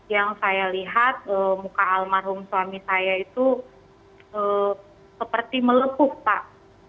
yang saya lihat muka almarhum suami saya itu seperti melepuh pak